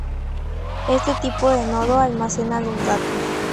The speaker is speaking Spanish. Este tipo de nodo almacena los datos.